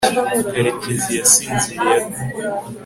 karekezi yasinziriye ate